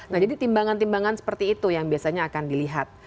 nah jadi timbangan timbangan seperti itu yang biasanya akan dilihat